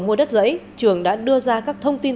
mua đất giấy trường đã đưa ra các thông tin